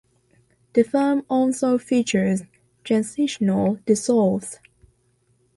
The film also features transitional dissolves.